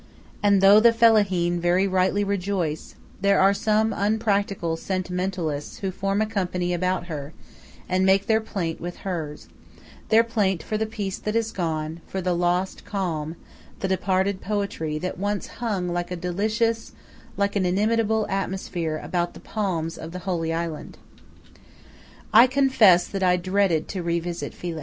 And though the fellaheen very rightly rejoice, there are some unpractical sentimentalists who form a company about her, and make their plaint with hers their plaint for the peace that is gone, for the lost calm, the departed poetry, that once hung, like a delicious, like an inimitable, atmosphere, about the palms of the "Holy Island." I confess that I dreaded to revisit Philae.